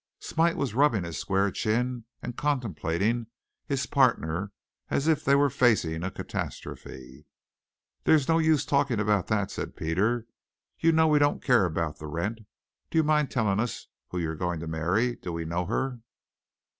Smite was rubbing his square chin and contemplating his partner as if they were facing a catastrophe. "There's no use talking about that," said Peter. "You know we don't care about the rent. Do you mind telling us who you're going to marry? Do we know her?"